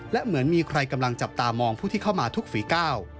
และเหมือนมีใครกำลังจับตามองผู้ที่เข้ามาทุกฝีก้าว